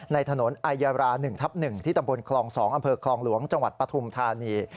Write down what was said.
ในถนนอายารา๑ทับ๑ที่ตำบลคลอง๒อำเภอคลองหลวงจังหวัดปฐุมธานี